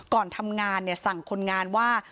ก่อนทำงานสั่งคนงานว่า